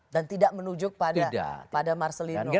dan tidak menujuk pada marcelino